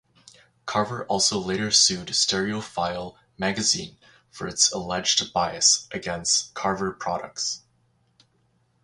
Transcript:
Carver also later sued "Stereophile" magazine for its alleged bias against Carver products.